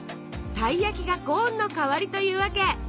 たい焼きがコーンの代わりというわけ！